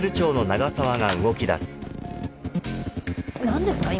何ですか？